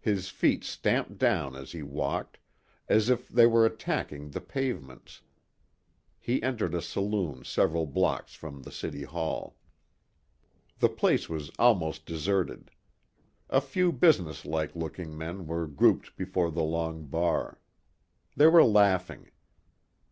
His feet stamped down as he walked, as if they were attacking the pavements. He entered a saloon several blocks from the City Hall. The place was almost deserted. A few businesslike looking men were grouped before the long bar. They were laughing.